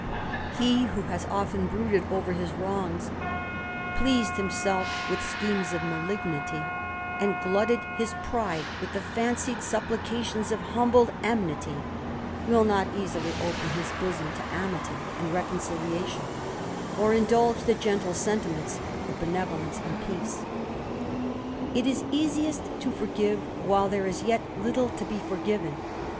He who has often brooded over his wrongs, pleased himself with schemes of malignity, and glutted his pride with the fancied supplications of humbled enmity, will not easily open his bosom to amity and reconciliation, or indulge the gentle sentiments of benevo lence and peace. It is easiest to forgive while there is yet little to be forgiven.